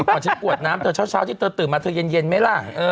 ก่อนฉันกวดน้ำตอนเช้าที่เธอตื่นมาเธอเย็นไหมล่ะ